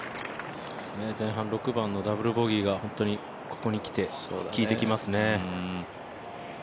前半６番のダブルボギーが、ここにきて効いてきていますね。